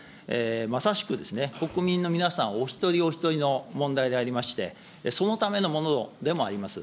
まさしく国民の皆さんお一人お一人の問題でありまして、そのためのものでもあります。